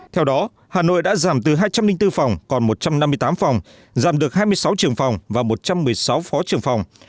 theo đó hà nội đã giảm từ hai trăm linh bốn phòng còn một trăm năm mươi tám phòng giảm được hai mươi sáu trưởng phòng và một trăm một mươi sáu phó trưởng phòng